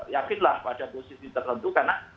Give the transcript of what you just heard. yakinlah pada posisi tertentu karena